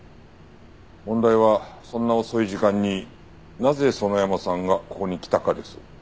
問題はそんな遅い時間になぜ園山さんがここに来たかです。